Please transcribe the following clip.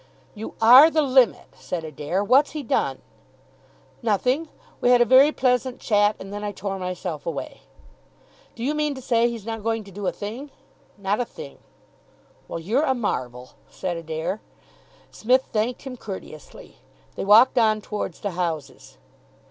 "You are the limit," said Adair. "What's he done?" "Nothing. We had a very pleasant chat, and then I tore myself away." "Do you mean to say he's not going to do a thing?" "Not a thing." "Well, you're a marvel," said Adair. Psmith thanked him courteously. They walked on towards the houses.